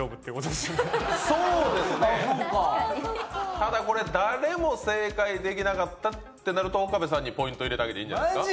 ただこれ誰も正解できなかったってなると岡部さんにポイント入れてあげていいんじゃないですか？